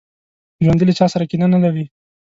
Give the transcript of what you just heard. ژوندي له چا سره کینه نه لري